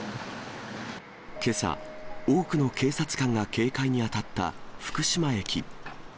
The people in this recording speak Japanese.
けさ、多くの警察官が警戒に当たった福島駅。